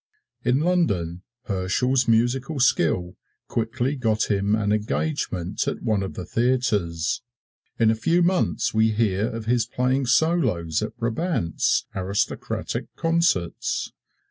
In London, Herschel's musical skill quickly got him an engagement at one of the theaters. In a few months we hear of his playing solos at Brabandt's aristocratic concerts.